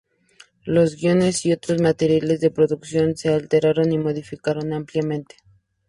Los guiones y otros materiales de producción se alteraron y modificaron ampliamente.